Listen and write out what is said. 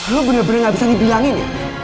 lu bener bener gak bisa dibilangin ya